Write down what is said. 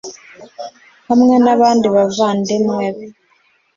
hamwe n abandi bavandimwe be